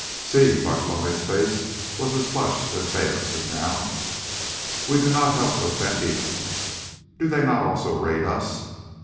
"Sí—!" Bartolomé's face was as flushed as Bayliss' now. "We do not help those bandidos. Do they not also raid us?